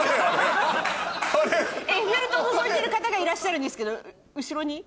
エッフェル塔のぞいてる方がいらっしゃるんですけど後ろに。